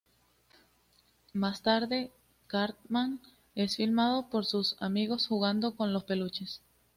Más tarde Cartman es filmado por sus amigos jugando con los peluches.